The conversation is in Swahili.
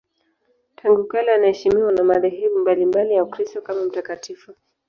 Tangu kale anaheshimiwa na madhehebu mbalimbali ya Ukristo kama mtakatifu.